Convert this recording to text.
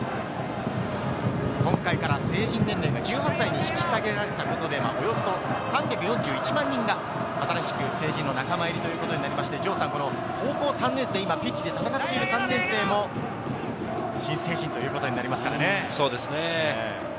今回から成人年齢が１８歳に引き下げられたことで、およそ３４１万人が新しく成人の仲間入りということになりまして、高校３年生、今ピッチで戦っている３年生も、新成人ということになりますからね。